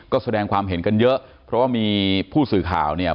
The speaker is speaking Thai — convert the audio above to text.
ก็แสดงความเห็นกันเยอะเพราะว่ามีผู้สื่อข่าวเนี่ย